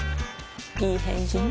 いい返事ね